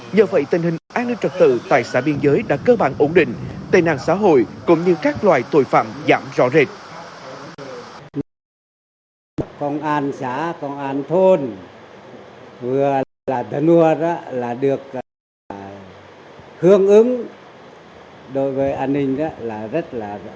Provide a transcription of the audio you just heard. nhờ vậy tình hình an ninh trật tự tại xã biên giới đã cơ bản ổn định tài năng xã hội cũng như các loài tội phạm giảm rõ rệt